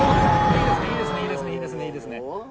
いいですね。